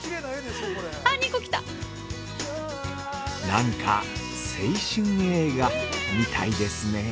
◆なんか青春映画みたいですねぇ。